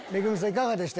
いかがでした？